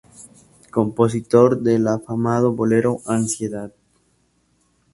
Compositor del afamado bolero "Ansiedad".